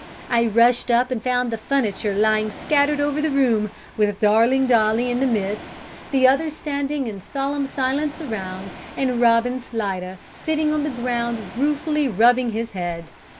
I rushed up, and found the furniture lying scattered over the room, with darling Dolly in the midst, the others standing in solemn silence around, and Robin Slidder sitting on the ground ruefully rubbing his head.